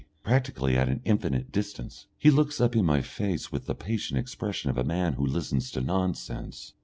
Practically at an infinite distance." He looks up in my face with the patient expression of a man who listens to nonsense.